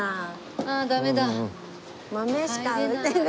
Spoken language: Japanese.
ああダメだ。